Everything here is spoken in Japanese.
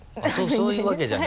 そういうわけじゃない？